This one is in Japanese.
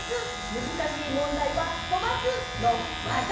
むずかしいもんだいはとばす！のわざ。